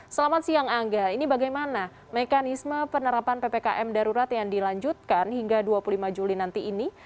selamat siang angga ini bagaimana mekanisme penerapan ppkm darurat yang dilanjutkan hingga dua puluh lima juli nanti ini